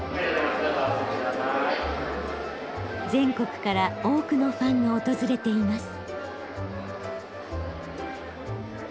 全国から多くのファンが訪れています。